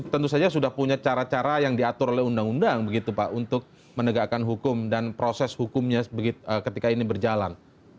tentu saja sudah punya cara cara yang diatur oleh undang undang begitu pak untuk menegakkan hukum dan proses hukumnya ketika ini berjalan